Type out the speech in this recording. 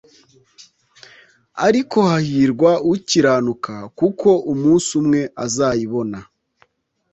ariko hahirwa ukiranuka kuko umunsi umwe azayibona